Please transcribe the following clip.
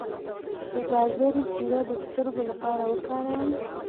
د ګازرې شیره د سترګو لپاره وکاروئ